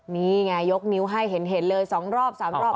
นี่ไงยกนิ้วให้เห็นเลย๒รอบ๓รอบ